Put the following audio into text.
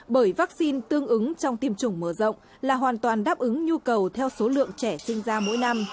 bởi vaccine tương ứng trong tiêm chủng mở rộng là hoàn toàn đáp ứng nhu cầu theo số lượng trẻ sinh ra mỗi năm